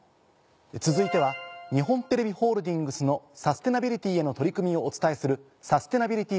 続いては日本テレビホールディングスのサステナビリティへの取り組みをお伝えする。